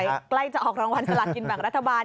คงใส่ใกล้จะออกรางวัลสลัดกินฝั่งรัฐบาล